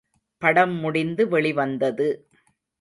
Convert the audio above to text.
படம் முடிந்து வெளி வந்தது.